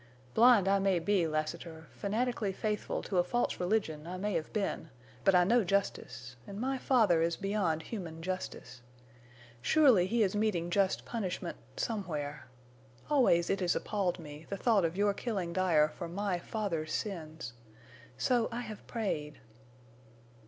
Blind I may be, Lassiter—fanatically faithful to a false religion I may have been but I know justice, and my father is beyond human justice. Surely he is meeting just punishment—somewhere. Always it has appalled me—the thought of your killing Dyer for my father's sins. So I have prayed!"